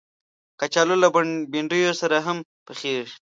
کچالو له بنډیو سره هم پخېږي